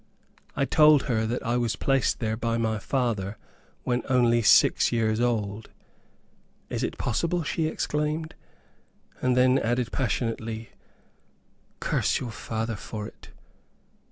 I told her that I was placed there by my father, when only six years old. "Is it possible?" she exclaimed, and then added passionately, "Curse your father for it."